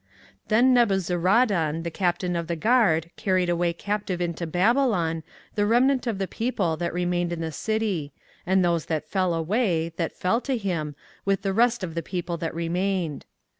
24:039:009 Then Nebuzaradan the captain of the guard carried away captive into Babylon the remnant of the people that remained in the city, and those that fell away, that fell to him, with the rest of the people that remained.